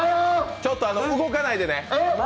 ちょっと動かないでね。